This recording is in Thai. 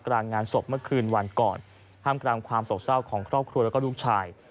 กรางงานศพเมื่อคืนวันก่อนห้ามกรรมความโศกเศร้าของครอบครัวและลูกชาย